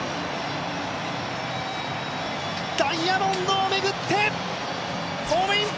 ダイヤモンドを巡ってホームイン！